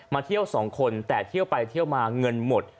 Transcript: เที่ยวสองคนแต่เที่ยวไปเที่ยวมาเงินหมด